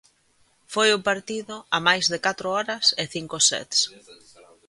Foi o partido a máis de catro horas e cinco sets.